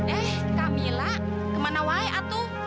eh kamilah kemana wai'at tuh